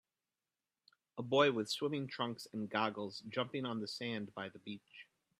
A boy with swimming trunks and goggles jumping on the sand by the beach